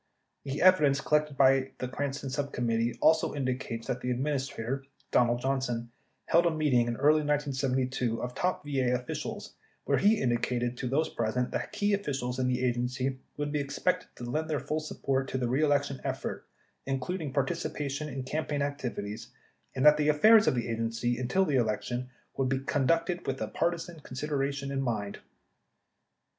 The evidence collected by the Cranston subcom mittee also indicates that the Administrator, Donald Johnson, held a meeting in early 1972 of top VA officials where he indicated to those present that key officials in the Agency would be expected to lend their full support to the reelection effort, including participation in cam paign activities, and that the affairs of the Agency, until the election, would be conducted with partisan considerations in mind.